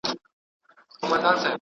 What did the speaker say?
کنفوسوس د کوم ځای فيلسوف و؟